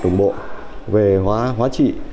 đồng bộ về hóa trị